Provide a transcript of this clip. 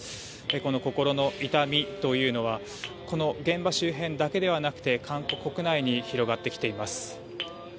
この心の痛みというのはこの現場周辺だけではなくて韓国国内に広がってきています。